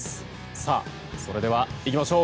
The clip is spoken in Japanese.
さあ、それでは行きましょう。